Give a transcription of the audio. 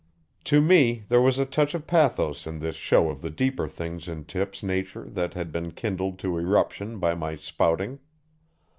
To me there was a touch of pathos in this show of the deeper things in Tip's nature that had been kindled to eruption by my spouting.